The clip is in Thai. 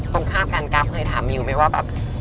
ตรงข้ามกันกราฟเคยถามมิวไหมว่าแบบ